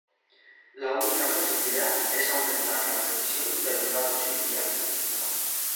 La única posibilidad es aumentar la precisión de los datos iniciales.